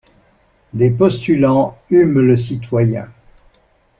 Des postulants hument le citoyen.